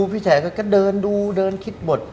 พี่แฉก็เดินดูเดินคิดบท